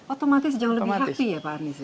otomatis jauh lebih happy ya pak arniz